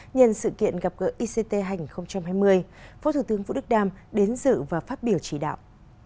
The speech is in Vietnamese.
nhân sự kiện gặp gỡ ict hai nghìn hai mươi phó thủ tướng vũ đức đam đến dự và phát biểu chỉ đạo